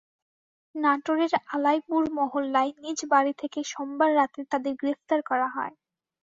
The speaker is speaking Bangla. নাটোরের আলাইপুর মহল্লায় নিজ বাড়ি থেকে সোমবার রাতে তাঁদের গ্রেপ্তার করা হয়।